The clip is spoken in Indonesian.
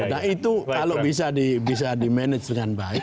nah itu kalau bisa di manage dengan baik